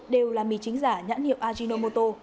đều là mì chính giả nhãn hiệu ajinomoto